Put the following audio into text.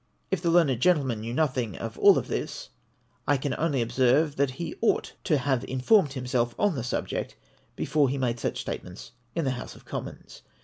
If the learned gentleman knew nothing of all this, I can only ob serve, that he ought to have informed himself on the subject before he made such statements in the House of Commons.